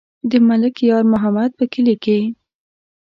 د ملک یار محمد په کلي کې.